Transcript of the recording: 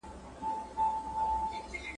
که زه واکمن شم، نو وطن به ودان کړم.